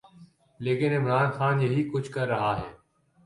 لیکن عمران خان یہی کچھ کر رہا ہے۔